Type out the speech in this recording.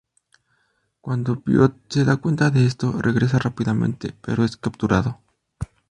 Cuando Piotr se da cuenta de esto, regresa rápidamente, pero es capturado.